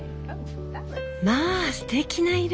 まあすてきな色。